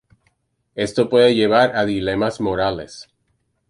Esto puede llevar a dilemas morales.